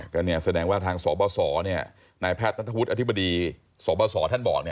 ก็แสดงว่าทางสบสนายแพทย์นัทธวุฒิอธิบดีสบสท่านบอก